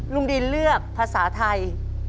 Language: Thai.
ลุงดินเลือกภาษาไทย